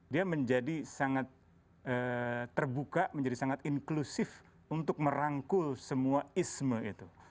dia menjadi sangat terbuka menjadi sangat inklusif untuk merangkul semua isme itu